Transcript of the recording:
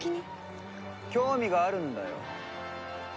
興味があるんだよ。